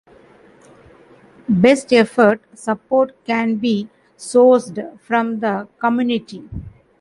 Best-effort support can be sourced from the community.